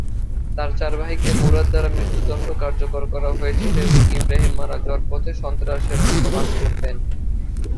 তার চার ভাইকে মুরাদ দ্বারা মৃত্যুদন্ড কার্যকর করা হয়েছিল, এবং ইব্রাহিম মারা যাওয়ার পথে সন্ত্রাসের মতো বাস করতেন।